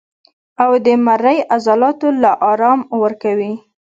او د مرۍ عضلاتو له ارام ورکوي